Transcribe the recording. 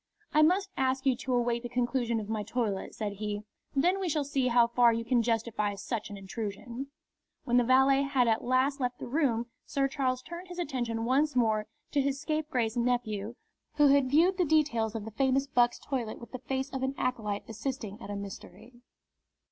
"I must ask you to await the conclusion of my toilet," said he. "Then we shall see how far you can justify such an intrusion." When the valet had at last left the room Sir Charles turned his attention once more to his scapegrace nephew, who had viewed the details of the famous buck's toilet with the face of an acolyte assisting at a mystery.